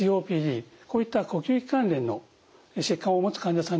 こういった呼吸器関連の疾患を持つ患者さんの治療に使われます。